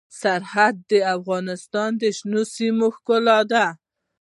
سرحدونه د افغانستان د شنو سیمو ښکلا ده.